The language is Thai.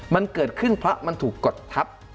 มันเกิดขึ้นเพราะมันถูกกดทับ